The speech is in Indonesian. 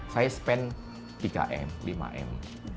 saya spend tiga m lima m